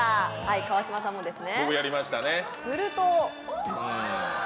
川島さんもですね。